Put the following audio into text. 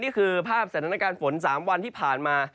นี่คือภาพสถานการณ์ฝน๓วันที่ผ่านมา